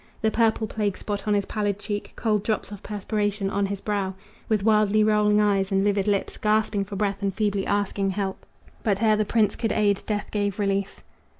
The purple plague spot on his pallid cheek, Cold drops of perspiration on his brow, With wildly rolling eyes and livid lips, Gasping for breath and feebly asking help But ere the prince could aid, death gave relief.